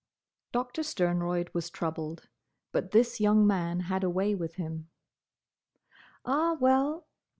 Doctor Sternroyd was troubled; but this young man had a way with him. "Ah, well!"